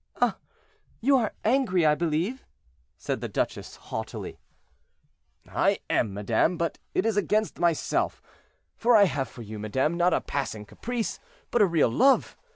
"Ah! you are angry, I believe," said the duchess, haughtily. "I am, madame, but it is against myself; for I have for you, madame, not a passing caprice, but a real love.